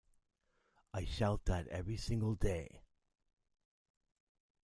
I shout that every single day!